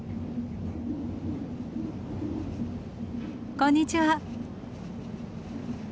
こんにちは。